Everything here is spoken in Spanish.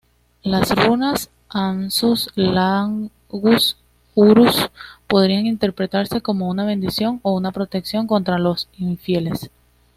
Las runas ansuz-laguz-uruz podrían interpretarse como una bendición o una protección contra los infieles.